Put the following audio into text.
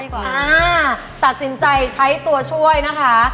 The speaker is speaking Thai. ตัดสินใจใช้ตัวช่วยนะคะ